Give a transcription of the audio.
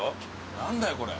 何だよこれ。